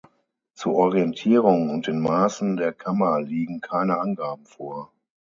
Zur Orientierung und den Maßen der Kammer liegen keine Angaben vor.